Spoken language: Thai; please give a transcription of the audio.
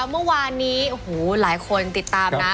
เมื่อวานนี้โอ้โหหลายคนติดตามนะ